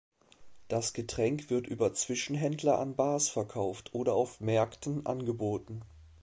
Das Getränk wird über Zwischenhändler an Bars verkauft oder auf Märkten angeboten.